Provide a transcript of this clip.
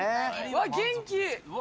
わっ、元気！